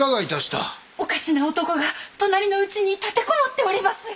おかしな男が隣のうちに立て籠もっております。